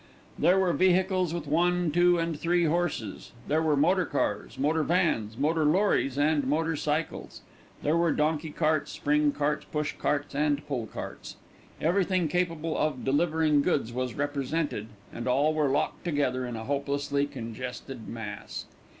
There were vehicles with one, two, and three horses. There were motor cars, motor vans, motor lorries, and motor cycles. There were donkey carts, spring carts, push carts, and pull carts. Everything capable of delivering goods was represented, and all were locked together in a hopelessly congested mass.